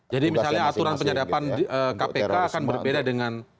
jadi misalnya aturan penyadapan kpk akan berbeda dengan